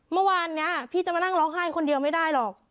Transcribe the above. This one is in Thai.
เมื่อวานนี้พี่จะมานั่งร้องไห้คนเดียวไม่ได้หรอก